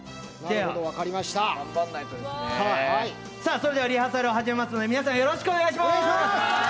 それでは、リハーサルを始めますので、皆さんよろしくお願いします。